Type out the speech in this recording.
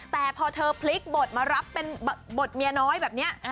แต่พอเธอพลิกบทมารับเป็นบทเมียน้อยแบบนี้